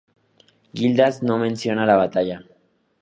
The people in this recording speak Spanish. Gildas no menciona la batalla.